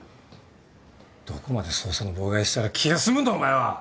どこまで捜査の妨害したら気が済むんだお前は。